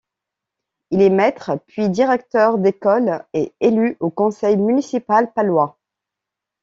Il est maître puis directeur d'école et élu au conseil municipal palois.